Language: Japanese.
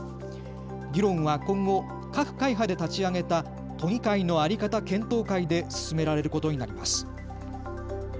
議論は今後、各会派で立ち上げた都議会のあり方検討会で進められることになります。